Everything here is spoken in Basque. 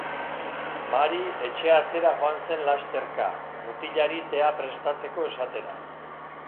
Mary etxe atzera joan zen lasterka, mutilari tea prestatzeko esatera.